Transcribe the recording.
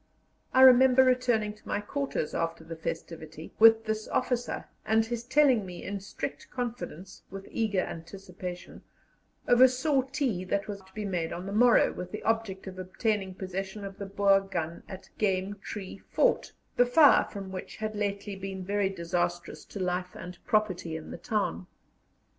I remember returning to my quarters, after the festivity, with this officer, and his telling me, in strict confidence, with eager anticipation, of a sortie that was to be made on the morrow, with the object of obtaining possession of the Boer gun at Game Tree Fort, the fire from which had lately been very disastrous to life and property in the town.